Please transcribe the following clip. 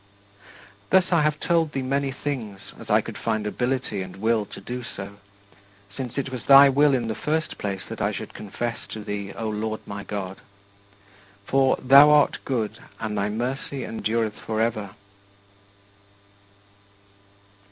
Thus I have told thee many things, as I could find ability and will to do so, since it was thy will in the first place that I should confess to thee, O Lord my God for "Thou art good and thy mercy endureth forever."